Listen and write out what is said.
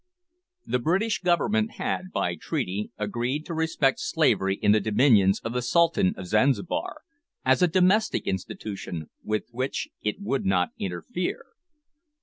The British Government had, by treaty, agreed to respect slavery in the dominions of the Sultan of Zanzibar, as a domestic institution with which it would not interfere!